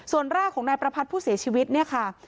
ส่วนร่างของนายประพัทธ์ผู้เสียชีวิตเนี่ยค่ะ